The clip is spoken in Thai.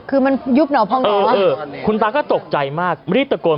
คือมันยุบหนอพองอะคุณตาก็ตกใจมากรีบตะโกน